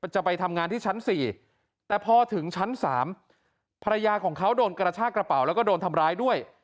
จะไปทำงานที่ชั้น๔แต่พอถึงชั้น๓ภรรยาของเขาโดนกระชากระเป๋าแล้วก็โดนทำร้ายด้วย